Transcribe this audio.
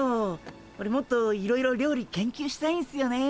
オレもっといろいろ料理研究したいんすよね。